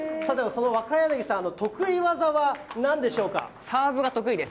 その若柳さん、サーブが得意です。